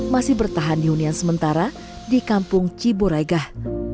masih bertahan di hunian sementara di kampung ciburegah